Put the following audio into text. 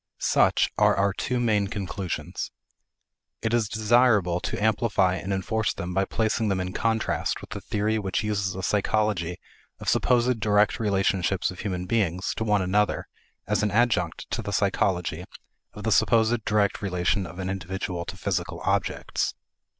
Such are our two main conclusions. It is desirable to amplify and enforce them by placing them in contrast with the theory which uses a psychology of supposed direct relationships of human beings to one another as an adjunct to the psychology of the supposed direct relation of an individual to physical objects.